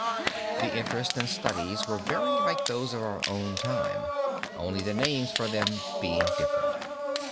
The interests and studies were very like those of our own time, only the names for them being different.